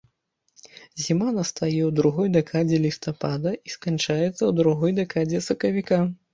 Зіма настае ў другой дэкадзе лістапада і сканчаецца ў другой дэкадзе сакавіка.